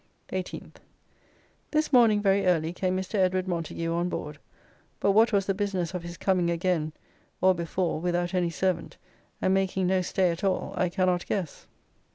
18th. This morning very early came Mr. Edward Montagu on board, but what was the business of his coming again or before without any servant and making no stay at all I cannot guess.